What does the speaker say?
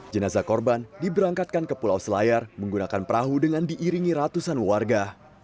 jenazah korban diberangkatkan ke pulau selayar menggunakan perahu dengan diiringi ratusan warga